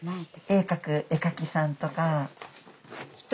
絵描く絵描きさんとか。